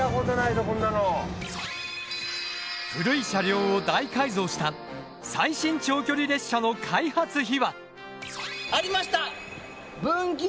古い車両を大改造した最新長距離列車の開発秘話。ありました！